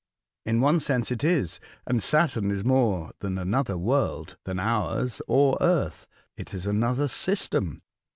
'*'' In one sense it is, and Saturn is more than another world — than ours or Earth ; it is another system.